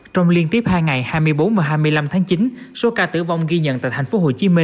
trong liên tiếp hai ngày hai mươi bốn và hai mươi năm tháng chín số ca tử vong ghi nhận tại tp hcm